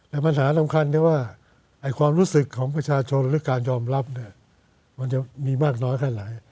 แต่ปัญหาสำคัญที่ว่าความรู้สึกของประชาชนหรือการยอมรับเนี่ยมันจะมีมากน้อยแค่ไหน